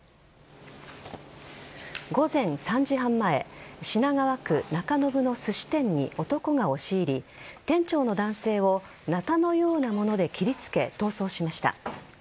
午前３時半前品川区中延のすし店に男が押し入り店長の男性をなたのようなもので切りつけ逃走しました。